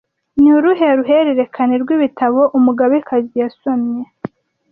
Ni uruhe ruhererekane rw'ibitabo Umugabekazi yasomye